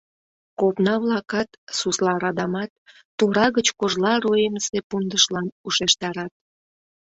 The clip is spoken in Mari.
Копна-влакат, сусла радамат тора гыч кожла руэмысе пундышлам ушештарат.